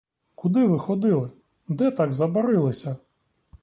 Куди ви ходили, де так забарилися?